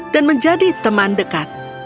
dan menjadi teman dekat